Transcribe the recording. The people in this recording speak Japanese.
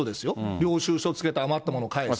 領収書つけて、余ったものを返す。